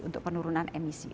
untuk penurunan emisi